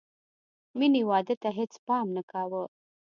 مینې واده ته هېڅ پام نه کاوه